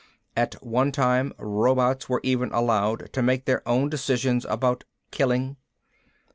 At one time robots were even allowed to make their own decisions about killing.